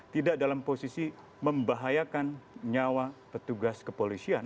tidak dalam posisi membahayakan nyawa petugas kepolisian